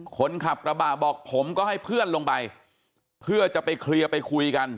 คนขับกระบะบอกผมก็ให้เพื่อนลงไปเพื่อจะไปเคลียร์ไปคุยกัน